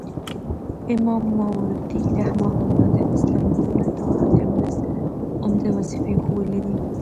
امام ماوردي رحمه الله د اسلامي دولت او حاکم لس عمده وظيفي ښوولي دي